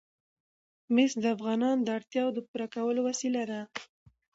مس د افغانانو د اړتیاوو د پوره کولو وسیله ده.